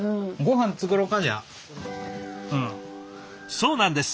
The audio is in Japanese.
そうなんです。